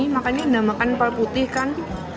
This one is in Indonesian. makanya ini namakan empal putih kan